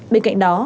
bên cạnh đó